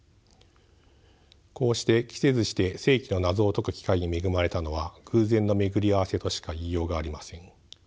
こうして期せずして世紀の謎を解く機会に恵まれたのは偶然の巡り合わせとしか言いようがありません。